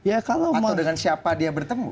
atau dengan siapa dia bertemu